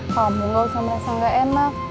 kamu gak usah merasa gak enak